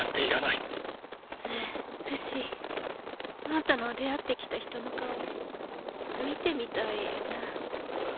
あんたの出会ってきた人の顔見てみたいなァ。